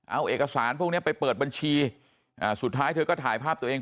เอาเอกสารพวกนี้ไปเปิดบัญชีสุดท้ายเธอก็ถ่ายภาพตัวเอง